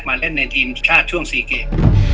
มาเล่นในทีมชาติช่วง๔เกม